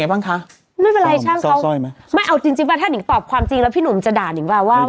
ไม่เป็นไรช่างเขาไม่เอาจริงว่าถ้านิกตอบความจริงแล้วพี่หนุ่มจะด่านิกว่าว่า